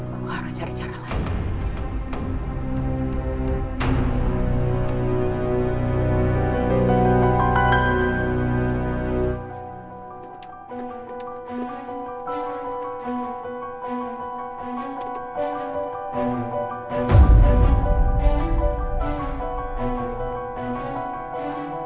aku harus cari cara lain